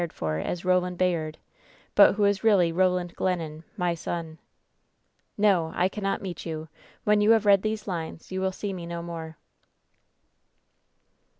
ed for as Roland Bayard, but who is really Boland Glennon, my son.' "No ! I cannot meet you ! When you have read these lines you will see me no more."